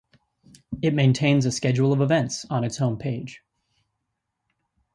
It maintains a schedule of events on its home page.